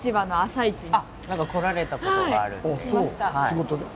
仕事で？